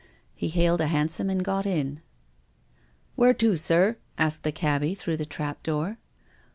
He hailed a hansom and got in. " Where to, sir ?" asked the cabby through the trap door.